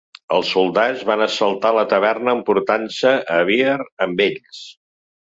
Els soldats van assaltar la taverna, emportant-se a Bear amb ells.